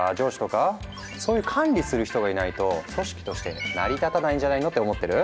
そういう管理する人がいないと組織として成り立たないんじゃないの？」って思ってる？